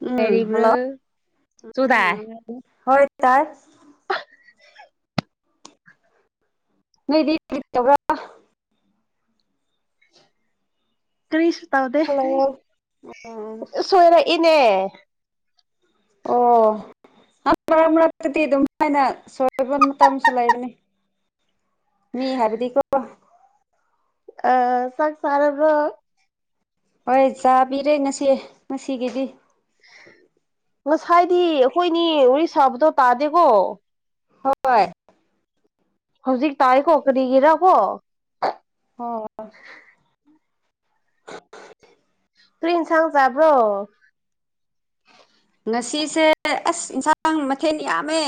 ꯎꯝ ꯀꯔꯤꯔꯤꯕ꯭ꯔꯣ ꯍꯜꯂꯣ ꯇꯗꯥꯏ ꯍꯣꯏ ꯇꯥꯏ [unintelligible] ꯅꯣꯏꯗꯤꯕ꯭ꯔꯥ ꯀꯔꯤꯁꯨ ꯇꯥꯎꯗꯦ ꯑꯣ ꯁꯣꯏꯔ ꯏꯅꯦ ꯑꯣ ꯃꯔꯛ ꯃꯔꯛꯇꯗꯤ ꯑꯗꯨꯝ ꯍꯥꯏꯃꯥꯏꯅ ꯁꯕ ꯃꯇꯝ ꯑꯃꯁꯁꯨ ꯂꯩꯔꯅꯤ ꯃꯤ ꯍꯥꯕꯤꯗꯤꯀ ꯑ ꯁꯛꯁꯔꯔꯕ ꯍꯣꯏ ꯆꯥꯕꯤꯔꯦ ꯉꯁꯤ ꯉꯁꯤꯒꯤꯗꯤ ꯉꯁꯥꯏꯗꯤ ꯑꯩꯈꯣꯏꯅꯤ ꯋꯥꯔꯤꯔꯤ ꯁꯥꯕꯗꯣ ꯇꯥꯗꯦꯀꯣ ꯍꯣꯏ ꯍꯧꯖꯤꯛ ꯇꯥꯏꯀꯣ ꯀꯔꯤꯒꯤꯔꯕꯣ ꯍ ꯄ꯭ꯔꯤꯟꯁꯥꯡ ꯆꯕ꯭ꯔꯣ ꯉꯁꯤꯁꯦ ꯑꯁ ꯏꯟꯁꯥꯡ ꯃꯊꯦꯜ ꯌꯥꯝꯃꯦ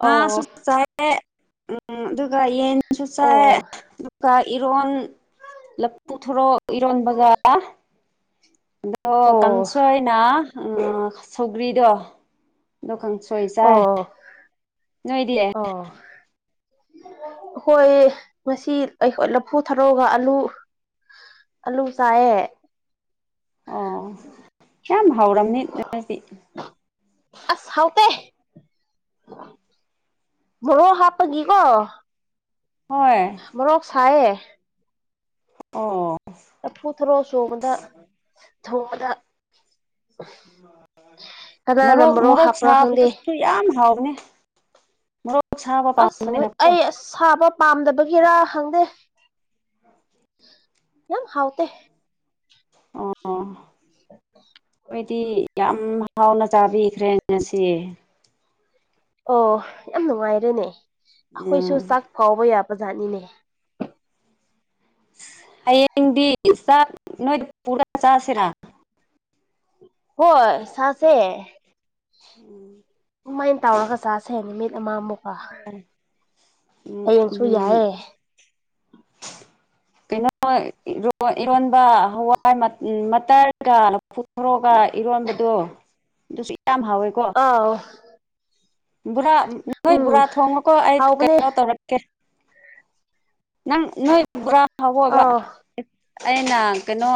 ꯉꯥꯁꯨ ꯑꯣ ꯆꯥꯏ ꯎꯝ ꯑꯗꯨꯒ ꯌꯦꯟꯁꯨ ꯆꯥꯏ ꯑꯣ ꯑꯗꯨꯒ ꯏꯔꯣꯟ ꯂꯐꯨꯊꯣꯔꯣꯛ ꯏꯔꯣꯟꯕꯖꯥ ꯑꯣ ꯀꯥꯡꯁꯣꯏꯅꯥ ꯁꯧꯒ꯭ꯔꯤꯗꯣ ꯗꯀꯥꯟ ꯁꯣꯏ ꯆꯔ ꯑ ꯑꯩꯈꯣꯏ ꯉꯁꯤ ꯑꯩꯈꯣꯏ ꯂꯐꯨ ꯊꯔꯣꯒ ꯑꯥꯂꯨ ꯑꯜꯂꯨ ꯆꯥꯏꯌꯦ ꯑꯣ ꯌꯥꯝ ꯍꯥꯎꯔꯝꯅꯤ ꯑꯗꯨꯗꯤ ꯑꯁ ꯍꯥꯎꯇꯦ ꯃꯣꯔꯣ ꯍꯥꯞꯄꯒꯤꯀꯣ ꯍꯣꯏ ꯃꯣꯔꯣꯛ ꯁꯥꯏꯌꯦ ꯑꯣ ꯂꯐꯨ ꯊꯔꯣ ꯁꯣꯡꯕꯗ ꯊꯣꯡꯕꯗ ꯀꯅꯥꯅ ꯃꯣꯔꯣꯛ ꯃꯣꯔꯣꯛ ꯍꯥꯞꯄ꯭ꯔꯥ ꯈꯪꯗꯦ ꯁꯥꯕꯗꯨꯁꯨ ꯌꯥꯝ ꯍꯥꯎ ꯅꯦ ꯃꯣꯔꯣꯛ ꯁꯥꯕ ꯑꯁ ꯑꯣꯏ ꯄꯥꯝꯕꯅꯤꯅꯀꯣ ꯑꯩ ꯑꯁ ꯁꯥꯕ ꯄꯥꯝꯗꯝ ꯄꯒꯤꯔ ꯍꯡꯗꯦ ꯌꯥꯝ ꯍꯥꯎꯇꯦ ꯑꯣ ꯑꯩꯗꯤ ꯌꯥꯝ ꯍꯥꯎꯅ ꯆꯥꯕꯤꯈ꯭ꯔꯦ ꯉꯁꯤ ꯑꯣ ꯌꯥꯝ ꯅꯨꯡꯉꯥꯏꯔꯦꯅꯦ ꯑꯈꯣꯏꯁꯨ ꯎꯝ ꯆꯥꯛ ꯐꯥꯎꯕ ꯌꯥ ꯕꯖꯥꯠꯅꯤꯅꯦ ꯍꯌꯦꯡꯗꯤ ꯆꯥꯛ ꯅꯣꯏꯗ ꯄꯨꯔ ꯆꯥꯁꯤꯔ ꯍꯣꯏ ꯁꯥꯁꯦ ꯎꯝ ꯑꯝꯃꯥ ꯃꯨꯛꯀ ꯎꯝ ꯍꯌꯦꯡꯁꯨ ꯎꯝ ꯌꯥꯏꯑꯦ ꯀꯩꯅꯣ ꯏꯔꯣꯟ ꯏꯔꯣꯟꯕ ꯍꯋꯥꯏ ꯃꯇꯠ ꯀ ꯂꯐꯨ ꯊꯔꯣꯒ ꯏꯔꯣꯟꯕꯗꯨ ꯑꯗꯨꯁꯨ ꯌꯥꯝ ꯍꯥꯎꯋꯦ ꯀꯣ ꯑꯥꯎ ꯕꯨꯔꯥ ꯅꯣꯏ ꯕꯨꯔꯥ ꯎꯝ ꯊꯣꯡꯉꯨꯀꯣ ꯑꯩ ꯍꯥꯎꯕꯅꯦ ꯀꯩꯅꯣ ꯇꯧꯔꯛꯀꯦ ꯅꯪ ꯅꯣꯏ ꯕꯣꯔꯥ ꯍꯧꯑꯣꯕ ꯑꯥꯎ ꯑꯩꯅ ꯀꯩꯅꯣ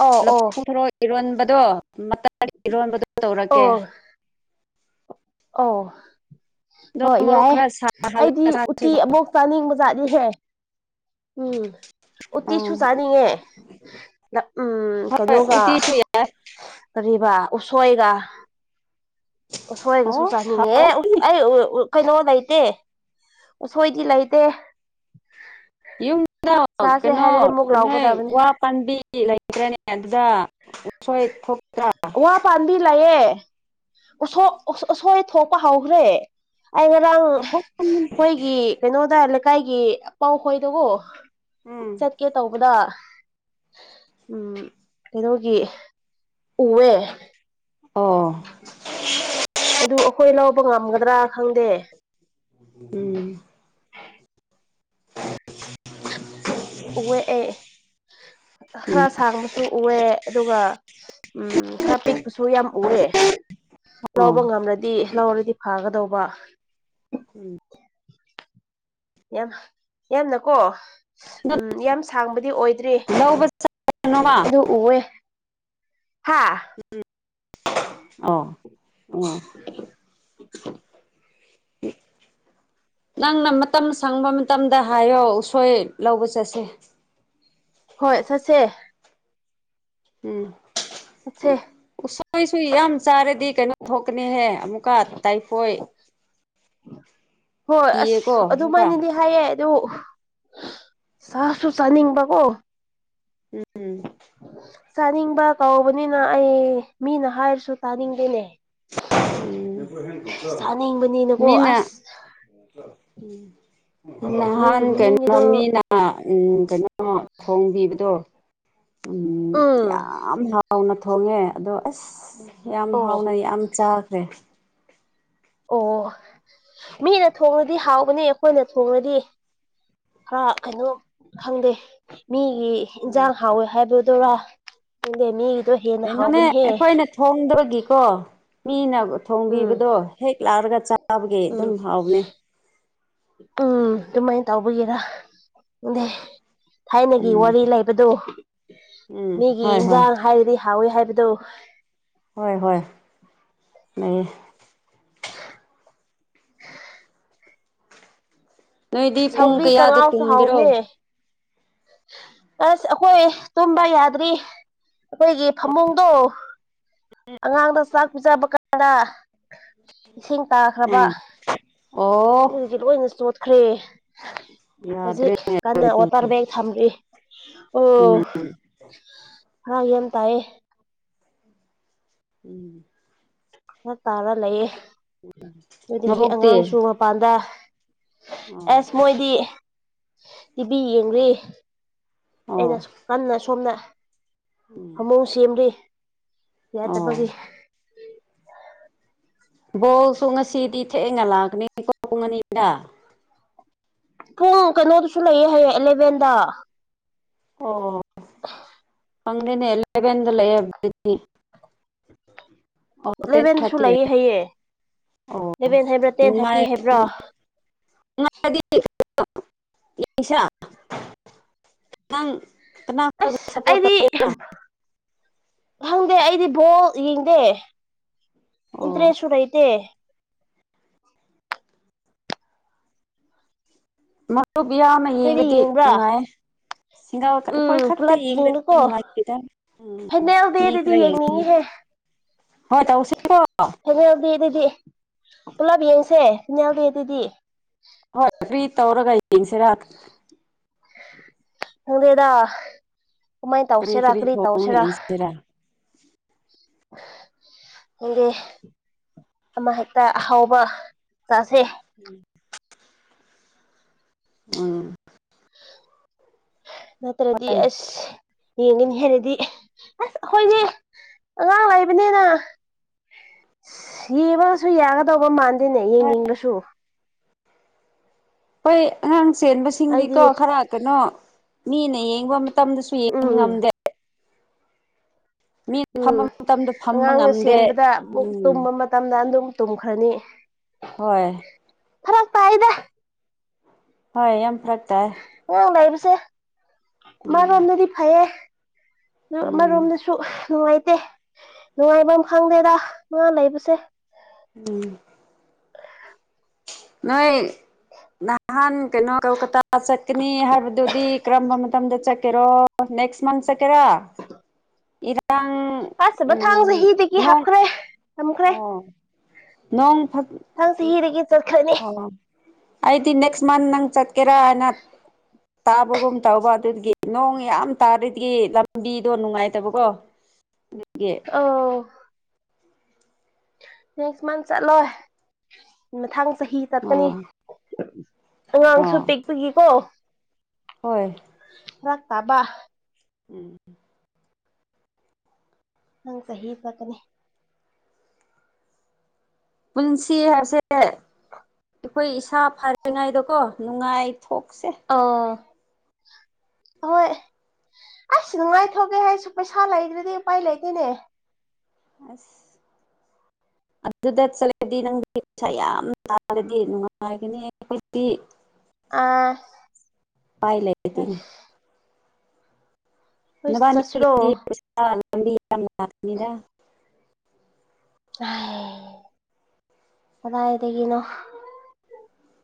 ꯑꯧ ꯑꯧ ꯂꯐꯨ ꯊꯔꯣ ꯏꯔꯣꯟꯕꯗꯣ ꯃꯇꯔ ꯏꯔꯣꯟꯕꯗꯣ ꯇꯧꯔꯛꯀꯦ ꯑꯣ ꯑꯗꯣ ꯍꯣꯏ ꯃꯣꯔꯣꯛ ꯌꯥꯏꯌꯦ ꯈꯔ ꯑꯩꯗꯤ ꯁꯥꯍꯜꯂꯒ ꯎꯇꯤ ꯆꯥꯁꯤꯀꯣ ꯑꯃꯨꯛ ꯆꯥꯅꯤꯡꯕꯖꯥꯠꯅꯤꯍꯦ ꯎꯝ ꯎꯠꯇꯤꯁꯨ ꯎꯝ ꯆꯥꯅꯤꯡꯉꯦ ꯎꯝ ꯍꯣꯏ ꯀꯩꯅꯣꯒ ꯎꯇꯤꯁꯨ ꯌꯥꯏ ꯀꯔꯤꯕ ꯎꯁꯣꯏꯒ ꯁꯣꯏꯒꯁꯨ ꯑꯣ ꯆꯥꯅꯤꯡꯉꯦ ꯎꯁ ꯑꯩ ꯎ ꯎ ꯀꯩꯅꯣ ꯂꯩꯇꯦ ꯎꯁꯣꯏꯗꯤ ꯂꯩꯇꯦ ꯌꯨꯝꯗ ꯆꯥꯁꯦ ꯀꯩꯅꯣ ꯍꯥꯏꯔꯗꯤ ꯑꯃꯨꯛ ꯅꯣꯏ ꯂꯥꯎꯒꯗꯕꯅꯤ ꯋꯥ ꯄꯥꯟꯕꯤ ꯂꯩꯇ꯭ꯔꯅꯦ ꯑꯗꯨꯗ ꯎꯁꯣꯏ ꯊꯣꯛꯇ꯭ꯔꯥ ꯋꯥ ꯄꯥꯥꯟꯕꯤ ꯂꯩꯌꯦ ꯎꯁꯣ ꯎꯁꯣꯏ ꯊꯣꯛꯄ ꯍꯧꯒꯔ꯭ꯦ ꯑꯩ ꯉꯔꯥꯡ ꯈꯣꯏꯒꯤ ꯀꯩꯅꯣꯗ ꯂꯩꯀꯥꯏꯒꯤ ꯑꯄꯥꯎꯈꯣꯏꯗꯒꯣ ꯎꯝ ꯆꯠꯀꯦ ꯇꯧꯕꯗ ꯎꯝ ꯀꯩꯅꯣꯒꯤ ꯎꯋꯦ ꯑꯣ ꯑꯗꯨ ꯑꯩꯈꯣꯏ ꯂꯧꯕ ꯉꯝꯒꯗ꯭ꯔ ꯈꯪꯗꯦ ꯎꯝ ꯎꯌꯦ ꯑꯩ ꯎꯝ ꯈꯔ ꯁꯥꯡꯕꯁꯨ ꯎꯌꯦ ꯑꯗꯨꯒ ꯎꯝ ꯈꯔ ꯄꯤꯛꯄꯁꯨ ꯌꯥꯝ ꯎꯌꯦ ꯑꯣ ꯂꯧꯕ ꯉꯝꯔꯠ ꯗꯤ ꯂꯧꯔꯗꯤ ꯐꯒꯗꯧꯕ ꯎꯝ ꯌꯥꯝ ꯌꯥꯝꯅꯀꯣ ꯎꯝ ꯌꯥꯝ ꯁꯥꯡꯕꯗꯤ ꯑꯣꯏ ꯗꯔ꯭ꯤ ꯂꯧꯕ ꯆꯠꯁꯅꯣꯃ ꯑꯗꯨ ꯎꯋꯦ ꯍꯥꯥ ꯑꯣ ꯑꯣ [unintelligible] ꯅꯪꯅ ꯃꯇꯝ ꯁꯪꯕ ꯃꯇꯝꯗ ꯍꯥꯏꯌꯣ ꯎꯁꯣꯏ ꯂꯧꯕ ꯆꯠꯁꯦ [inaudible] ꯍꯣꯏ ꯆꯠꯁꯦ ꯎꯝ ꯑꯦ ꯑꯩꯈꯣꯏꯁꯨ ꯌꯥꯝ ꯆꯥꯔꯗꯤ ꯀꯩꯅꯣ ꯊꯣꯛꯀꯅꯤꯍꯦ ꯑꯃꯨꯛꯀ ꯇꯥꯏꯐꯣꯏ ꯍꯣꯏ ꯑꯁ ꯀꯤꯌꯦꯀꯣ ꯑꯃꯨꯛꯀ ꯑꯗꯨꯃꯥꯏꯅꯗꯤ ꯍꯥꯏꯌꯦ ꯇꯕꯨ ꯁꯥꯁꯨ ꯁꯅꯤꯡꯕꯀꯣ ꯎꯝ ꯆꯥꯅꯤꯡꯕ ꯀꯧꯕꯅꯤꯅ ꯑꯩ ꯃꯤꯅ ꯍꯥꯏꯔꯁꯨ ꯇꯥꯅꯤꯡꯗꯦꯅꯦ ꯆꯥꯅꯤꯡꯕꯅꯤꯅꯀꯣ ꯑꯁ ꯃ ꯅꯍꯥꯟ ꯅꯪꯒꯤ ꯀ ꯃꯅꯤꯡꯒꯤꯗꯣ ꯃꯃꯤꯅ ꯎꯝ ꯀꯩꯅꯣ ꯊꯣꯡꯕꯤꯕꯗꯣ ꯎꯝ ꯌꯥꯝ ꯍꯥꯎꯅ ꯊꯣꯡꯉꯦ ꯑꯗꯣ ꯑꯁ ꯌꯥꯝ ꯍꯥꯎꯅ ꯑꯣ ꯌꯥꯝ ꯆꯥꯈ꯭ꯔꯦ ꯑꯣ ꯃꯤꯅ ꯊꯣꯡꯂꯗꯤ ꯍꯥꯎꯒꯅꯤ ꯑꯩꯈꯣꯏꯅ ꯊꯣꯡꯂꯗꯤ ꯍꯥꯔ ꯀꯩꯅꯣ ꯈꯪꯗꯦ ꯃꯤꯒꯤ ꯏꯟꯁꯥꯡ ꯍꯥꯎꯋꯦ ꯍꯥꯏꯕꯗꯨꯔꯥ ꯈꯪꯗꯦ ꯃꯤꯒꯤ ꯀꯩꯅꯣꯅꯦ ꯑꯩꯈꯣꯏꯅ ꯊꯣꯡꯗꯕꯒꯤꯀꯣ ꯃꯤꯅ ꯎꯝ ꯊꯣꯡꯕꯤꯕꯗꯣ ꯍꯦꯛ ꯂꯥꯛꯔꯒ ꯆꯥꯕꯒꯤ ꯑꯗꯨꯝ ꯎꯝ ꯍꯥꯎꯅꯦ ꯎꯝ ꯑꯗꯨꯃꯥꯏꯅ ꯇꯧꯕꯒꯤꯦꯔꯥ ꯊꯥꯏꯅꯒꯤ ꯎꯝ ꯋꯥꯔꯤ ꯂꯩꯕꯗꯨ ꯎꯝ ꯃꯤꯒꯤ ꯍꯣꯏ ꯍꯣꯏ ꯏꯟꯖꯥꯡ ꯍꯥꯏꯔꯗꯤ ꯊꯥꯎꯋꯦ ꯍꯥꯏꯕꯗꯨꯣ ꯍꯣꯏ ꯍꯣꯏ ꯂꯩꯌꯦ [unintelligible] ꯅꯣꯏꯗꯤ ꯄꯨꯡ ꯁꯧꯒ꯭ꯔꯤ ꯀꯌꯥꯗ ꯀꯉꯥꯎ ꯆ ꯍꯥꯎꯅꯦ ꯇꯨꯝꯒꯦꯔꯣ ꯑꯁ ꯑꯩꯈꯣꯏ ꯇꯨꯝꯕ ꯌꯥꯗ꯭ꯔꯤ ꯑꯩꯈꯣꯏꯒꯤ ꯐꯃꯨꯡꯗꯣ ꯑꯉꯥꯡꯗ ꯆꯥꯛ ꯄꯤꯖꯕ ꯀꯔꯥ ꯏꯁꯤꯡ ꯇꯥꯈ꯭ꯔꯕ ꯎꯝ ꯍꯧ ꯑꯣ ꯍꯧꯖꯤꯛꯀꯤ ꯂꯣꯏꯅ ꯆꯣꯠꯈ꯭ꯔꯦ ꯍꯧꯖꯤ ꯌꯥꯗ꯭ꯔꯦꯅꯦ ꯀꯅꯥ ꯑꯗꯨꯗꯤ ꯋꯥꯇꯔ ꯒ ꯊꯝꯔꯤ ꯑꯣ ꯎꯝ ꯍ ꯌꯦꯟ ꯇꯑꯌꯦ ꯎꯝ ꯐꯔꯛ ꯇꯥꯔ ꯂꯩꯌꯦ ꯑꯗꯨꯗꯒꯤ ꯑꯉꯥꯡꯁꯨ ꯅꯕꯣꯛꯇꯤ ꯃꯄꯥꯟꯗ ꯑꯣ ꯑꯁ ꯃꯣꯏꯗꯤ ꯇꯤꯚꯤ ꯌꯦꯡꯦ ꯑꯣ ꯑꯩꯅ ꯀꯟꯅ ꯁꯣꯝꯅ ꯎꯝ ꯐꯃꯨꯡ ꯁꯦꯝꯂ ꯑꯣ ꯌꯥꯗꯕꯒꯤ ꯕꯣꯁꯨ ꯉꯁꯤꯗꯤ ꯊꯦꯛꯑꯦ ꯉ ꯂꯥꯛꯀꯅꯤ ꯀꯣꯨꯡ ꯑꯅꯤꯗ ꯄꯨꯡ ꯀꯩꯅꯣꯗꯨꯁꯨ ꯂꯩꯌꯦꯦ ꯍꯌꯦꯡ ꯑꯦꯂꯦꯚꯦꯟꯗ ꯑꯣ ꯐꯪꯅꯦꯂꯒꯗ ꯂꯩꯦꯕ ꯏꯂꯦꯚꯦꯟꯁꯨ ꯂꯩꯌꯦꯦ ꯍꯩꯌꯦꯦ ꯑꯣ ꯁꯂꯚꯦꯟ ꯍꯥꯏꯕ꯭ꯔꯥ ꯇꯦꯟ ꯊꯥꯔꯇꯤ ꯍꯥꯏꯕ꯭ꯔꯥ ꯗꯤꯁꯪ ꯑꯁ ꯑꯩꯗꯤ ꯈꯪꯗꯦ ꯑꯩꯗꯤ ꯣ ꯌꯦꯗꯦ ꯑꯣ ꯏꯟꯇ꯭ꯔꯦꯁꯥꯏꯇ ꯃꯔꯨꯕꯤꯌꯥ ꯑꯃ ꯅꯣꯏꯗꯤ ꯌꯦꯡꯕꯗꯤ ꯌꯦꯡꯕ꯭ꯔꯥ ꯅꯨꯡꯉꯥꯏ ꯁꯤꯡꯒꯥꯜ ꯎꯝ ꯑꯩꯈꯣꯏ ꯈꯛꯇ ꯄꯨꯂꯞ ꯌꯦꯡꯗꯗꯤ ꯌꯦꯡꯂꯨꯀꯣ ꯅꯨꯡꯉꯥꯏꯇꯦꯗ ꯎꯝ ꯐꯥꯏꯅꯦꯜ ꯃꯤ ꯗꯦꯗꯗꯤ ꯈꯔ ꯌꯦꯡ ꯌꯦꯡꯅꯤꯡꯉꯤꯍꯦ ꯍꯣꯏ ꯇ ꯎ ꯎꯆꯦꯀꯣ ꯐꯥꯏꯅꯦꯜ ꯗꯦꯗꯗꯤ ꯄꯨꯂꯞ ꯌꯦꯡꯁꯦ ꯎꯕꯤ ꯑꯗꯨꯗꯤ ꯍꯣꯏ ꯐ꯭ꯔꯤ ꯇꯧꯔꯒ ꯌꯦꯡꯁꯤꯔ ꯍꯗꯦꯗꯥ ꯀꯃꯥꯏꯅ ꯇꯧꯁꯦꯔꯥ ꯀꯔꯤ ꯇꯥꯎꯁꯦꯔꯥ [unintelligible] ꯗꯤ ꯑꯃ ꯍꯦꯛꯇ ꯑꯍꯥꯎꯕ ꯆꯥꯁꯦ ꯎꯝ ꯎꯥ ꯅꯠꯇ꯭ꯔꯗꯤ ꯍꯣꯏ ꯑꯁ ꯌꯦꯡꯒꯅꯤ ꯍꯥꯏꯔꯗꯤ ꯑꯁ ꯑꯩꯈꯣꯏꯅꯦ ꯑꯉꯥꯡ ꯂꯩꯕꯅꯦꯅ ꯌꯦꯕꯒꯁꯨ ꯌꯥꯒꯗꯧꯕ ꯃꯥꯟꯗꯦꯅꯦ ꯌꯦꯡꯅꯤꯡꯕꯁꯨ ꯍꯣꯏ ꯑꯉꯥꯡ ꯆꯦꯟꯕꯁꯤꯡꯗꯤꯀꯣ ꯑꯩꯗꯤ ꯈꯔ ꯀꯩꯅꯣ ꯃꯤꯅ ꯌꯦꯡꯕ ꯃꯇꯝꯗꯁꯨ ꯌꯦꯡꯕ ꯎꯝ ꯉꯝꯗꯦ ꯃꯤꯅ ꯐꯝꯕ ꯎꯝ ꯃꯇꯝꯗ ꯐꯝꯕ ꯑꯉꯥꯡꯅ ꯉꯝꯗꯦ ꯁꯦꯟꯕꯗ ꯃꯕꯨꯛ ꯎꯝ ꯇꯨꯝꯕ ꯃꯇꯝꯗ ꯑꯗꯨꯝ ꯇꯨꯝꯈ꯭ꯔꯅꯤ ꯍꯣꯏ ꯐꯔ ꯐ ꯍꯥꯏꯗ ꯍꯣꯏ ꯌꯥꯝ ꯐꯔꯛ ꯇꯥꯏ ꯑꯉꯥꯡ ꯂꯩꯕꯁꯦ ꯃꯥꯂꯣꯝꯗꯗꯤ ꯐꯩꯌꯦ ꯎꯝ ꯑꯃꯔꯣꯝꯗꯁꯨ ꯅꯨꯡꯉꯥꯏ ꯠꯇꯦ ꯅꯨꯡꯉꯥꯏꯕ ꯑꯃ ꯈꯪꯗꯦꯗ ꯉꯥ ꯂꯩꯕꯁꯦ ꯎꯝ ꯅꯣꯏ ꯅꯍꯥꯟ ꯀꯩꯅꯣ ꯀꯜ ꯀ ꯆꯠꯅꯤ ꯍꯔꯗꯨ ꯀꯔꯝꯕ ꯃꯇꯝꯗ ꯆꯠꯀꯦꯔꯣ ꯅꯦꯛꯁ ꯃꯟ ꯆꯠ ꯀꯔꯣ ꯏꯔꯥꯡ ꯑꯁ ꯎꯝ ꯃꯊꯥꯡ ꯆꯍꯤꯗꯒꯤ ꯅꯣꯡ ꯍꯥꯞꯈ꯭ꯔꯦ ꯊꯝꯈ꯭ꯔꯦ ꯑꯣ ꯅꯣꯡ ꯐꯠ ꯃꯊꯪ ꯆꯍꯤꯗꯒꯤ ꯆꯠꯈ꯭ꯔꯅꯤ ꯑꯣ ꯑꯩꯗꯤ ꯅꯦꯛꯁ ꯃꯟ ꯅꯪ ꯆꯠꯀꯦꯔꯥ ꯍꯥꯏꯅ ꯇꯥꯕꯒꯨꯝ ꯇꯧꯕ ꯑꯗꯨꯒꯤ ꯅꯣꯡ ꯌꯥꯝ ꯇꯥꯔꯗꯤ ꯂꯝꯕꯤꯗꯣ ꯅꯨꯡꯉꯥꯏꯇꯕꯀꯣ ꯑꯗꯨꯒꯤ ꯑꯣ ꯅꯦꯛꯁ ꯃꯥꯟꯊ ꯆꯠꯂꯣꯏ ꯃꯊꯪ ꯆꯍꯤ ꯇꯠꯀꯅꯤ ꯑꯥ ꯑꯉꯥꯡꯁꯨ ꯑꯥ ꯄꯤꯛꯄꯒꯤꯀꯣ ꯍꯣꯏ ꯔꯥꯛ ꯇꯕ ꯎꯝ ꯅꯪ ꯆꯍꯤ ꯆꯂꯀꯅꯤ ꯄꯨꯟꯁꯤ ꯍꯥꯏꯁꯦ ꯑ ꯑꯩꯈꯣꯏ ꯏꯁꯥ ꯐꯔꯤꯉꯩꯗꯀꯣ ꯅꯨꯡꯉꯥꯏ ꯑ ꯍꯣꯏ ꯑꯩꯁꯨ ꯅꯨꯡꯉꯥꯏꯊꯣꯛꯒꯦ ꯍꯥꯏꯁꯨ ꯄꯩꯁꯥ ꯂꯩꯗ꯭ꯔꯗꯤ ꯎꯄꯥꯏ ꯂꯩꯇꯦꯅꯦ ꯑꯁ ꯑꯗꯨꯗ ꯆꯠꯂꯗꯤ ꯅꯪꯒꯤ ꯄꯩꯁꯥ ꯌꯥꯝ ꯇꯥꯔꯗꯤ ꯅꯨꯡꯉꯥꯏꯒꯅꯤ ꯑꯩꯈꯣꯏꯗꯤ ꯑꯥ ꯄꯥꯏ ꯂꯩꯇꯅꯦ ꯍꯣꯏ ꯅꯕꯥꯅꯤ ꯆꯠꯁꯤꯔꯣ ꯂꯝꯕꯤ ꯌꯥꯝꯗ ꯑꯥꯏꯗꯒꯤꯅꯣ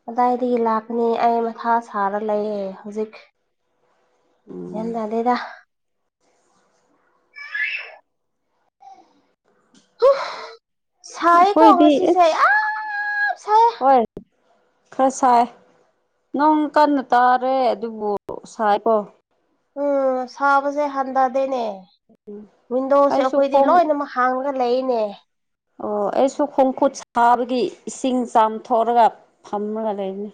ꯀꯗꯥꯏꯗꯒꯤ ꯂꯥꯛꯄꯅꯤ ꯑꯩ ꯃꯊꯥ ꯁꯥꯔ ꯂꯩꯌꯦ ꯍꯧꯖꯤꯛ ꯎꯝ ꯌꯦꯗꯦꯗ ꯁꯥꯏ ꯑꯩꯈꯣꯏꯗꯤ ꯀꯣꯡꯁꯤ ꯁꯥꯏ ꯏꯁ ꯁꯥꯏ ꯈ꯭ꯔꯁꯥꯏ ꯅꯪ ꯀꯟꯅ ꯇꯥꯔꯦ ꯑꯗꯨꯕꯨ ꯁꯥꯏꯣ ꯎꯝ ꯁꯥꯕꯁꯦ ꯍꯟꯊꯗꯦꯅꯦ ꯋꯤꯟꯗꯣꯁꯦ ꯑꯩꯁꯨ ꯑꯩꯈꯣꯏꯗꯤ ꯈꯣꯡ ꯂꯣꯏꯅꯃꯛ ꯍꯥꯡꯒꯗ ꯂꯩꯅꯦ ꯑꯣ ꯑꯩꯁꯨ ꯈꯣꯡꯀꯨꯠ ꯁꯥꯕꯒꯤ ꯏꯁꯤꯡ ꯆꯥꯝꯊꯣꯛꯑꯒ ꯐꯝꯃꯒ ꯂꯩꯅꯤ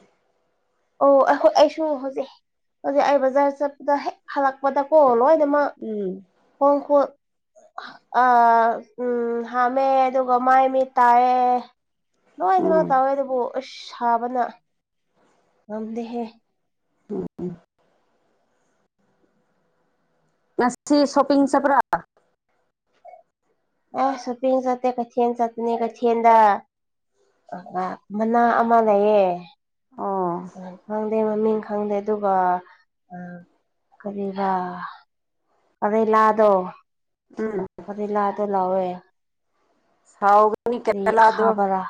ꯑꯣ ꯑꯩꯈꯣꯏ ꯑꯩꯁꯨ ꯍꯧꯖꯤꯛ ꯍꯧꯖꯤꯛ ꯑꯩ ꯕꯖꯥꯔ ꯆꯠꯄꯗ ꯍꯦꯛ ꯍꯜꯂꯛꯄꯗꯀꯣ ꯂꯣꯏ ꯁꯦꯝꯃ ꯎꯝ ꯍꯣꯡ ꯍ ꯑ ꯎꯝ ꯍꯗꯨ ꯃꯥꯏ ꯃꯤ ꯇꯌꯦ ꯎꯝ ꯅꯣꯏꯅꯤꯃꯛ ꯇꯧꯋꯦ ꯑꯗꯨꯕꯨ ꯑꯁ ꯁꯥꯕꯅ ꯉꯝꯗ‌ꯦꯍꯦ ꯎꯝ ꯉꯁꯤ ꯁꯣꯄꯄꯤꯡ ꯆꯠꯄ꯭ꯔꯥ ꯑꯥ ꯁꯣꯄꯤꯡ ꯆꯠꯇꯦ ꯀꯩꯊꯦꯜ ꯆꯠꯄꯅꯤ ꯀꯩꯊꯦꯜꯗ ꯃꯅꯥ ꯑꯃ ꯂꯩꯌꯦ ꯑꯣ ꯑ ꯈꯪꯗꯦ ꯃꯃꯤꯡ ꯈꯪꯗꯦ ꯑꯗꯨꯒ ꯑ ꯀꯔꯤꯔꯤꯕ ꯀꯔꯤ ꯂꯥꯗꯣ ꯎꯝ ꯀꯔꯤ ꯂꯥꯗꯣ ꯂꯋꯦ ꯍꯥꯎꯒꯅꯤ ꯀꯦꯔꯂꯥꯗꯣ ꯍꯥꯥꯕꯔ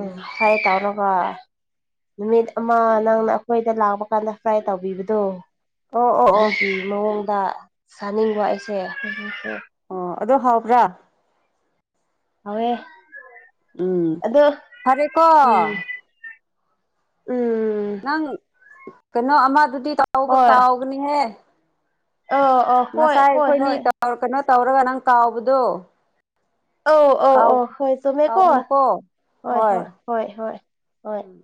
ꯎ ꯍꯥꯏꯥꯏ ꯇꯅ [unintelligible] ꯅꯨꯃꯤꯠ ꯑꯃ ꯅꯪꯅ ꯑꯩꯈꯣꯏꯗ ꯂꯥꯛꯄ ꯀꯥꯟꯗ ꯐ꯭ꯔꯥꯏ ꯇꯧꯕꯤꯕꯗꯣ ꯑꯣ ꯑꯣ ꯑꯣ ꯑꯗꯨꯒꯤ ꯃꯑꯣꯡꯗ ꯆꯥꯅꯤꯡꯕ ꯑꯩꯁꯦ ꯑꯣ ꯑꯗꯣ ꯍꯥꯎꯕ꯭ꯔꯥ ꯍꯥꯎꯋꯦ ꯎꯝ ꯑꯗꯣ ꯐꯔꯦ ꯀꯣ ꯎꯝ ꯎꯝ ꯅꯪ ꯀꯩꯅꯣ ꯑꯃꯗꯨꯗꯤ ꯇꯥꯎꯕ ꯍꯣꯏ ꯀꯥꯎꯒꯅꯤꯍꯦ ꯑꯧ ꯑꯧ ꯍꯣꯏ ꯉꯁꯥꯏ ꯍꯣꯏ ꯑꯩꯈꯣꯏꯅꯤ ꯍꯣꯏ ꯇꯧ ꯀꯩꯅꯣ ꯇꯧꯔꯒ ꯅꯪ ꯀꯥꯎꯕꯗꯣ ꯑꯧ ꯑꯧ ꯀꯥꯎ ꯑꯧ ꯍꯣꯏ ꯆꯨꯝꯃꯦꯀꯣ ꯀꯥꯎꯒꯅꯨꯀꯣ ꯍꯣꯏ ꯍꯣꯏ ꯍꯣꯏ ꯍꯣꯏ ꯍꯣꯏ ꯎꯝ